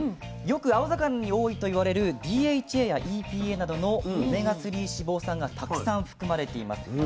よく青魚に多いと言われるＤＨＡやＥＰＡなどのオメガ３脂肪酸がたくさん含まれています。